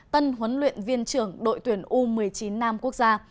tân huấn luyện viên trưởng đội tuyển u một mươi chín nam quốc gia